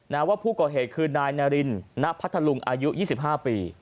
ว่าผู้ก่อเหตุคือนายนารินณพัทธลุงอายุ๒๕ปี